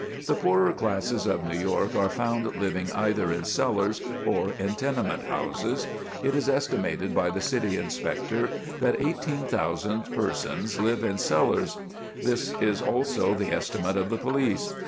The poorer classes of New York are found living either in cellars or in tenement houses. It is estimated by the City Inspector that 18,000 persons live in cellars. This is also about the estimate of the police.